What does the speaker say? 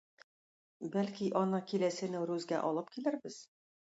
Бәлки аны киләсе "Нәүрүзгә" алып килербез.